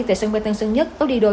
tại sân bay tân sơn nhất có đi đôi